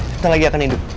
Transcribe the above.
sebentar lagi akan hidup